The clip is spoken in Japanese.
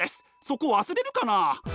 そこ忘れるかな？